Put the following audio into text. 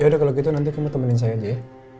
yaudah kalau gitu nanti kamu temenin saya aja ya